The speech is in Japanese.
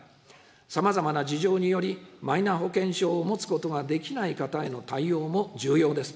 さまざまな事情により、マイナ保険証を持つことができない方への対応も重要です。